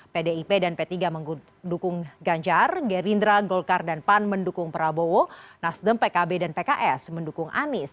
pdip dan p tiga mendukung ganjar gerindra golkar dan pan mendukung prabowo nasdem pkb dan pks mendukung anies